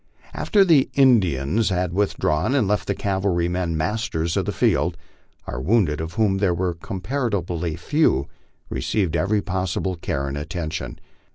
After the Indians had withdrawn and left the cavalrymen masters of the field, our wounded, of whom there were comparatively few, received every possible care and attention.